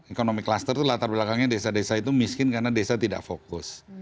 economic cluster itu latar belakangnya desa desa itu miskin karena desa tidak fokus